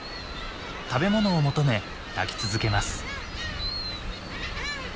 食べ物を求め鳴き続けます。